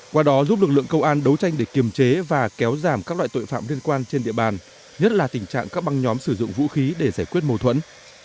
qua đó giúp lực lượng công an đấu tranh để kiềm chế và kéo giảm các loại tội phạm liên quan trên địa bàn nhất là tình trạng các băng nhóm sử dụng vũ khí để giải quyết mâu thuẫn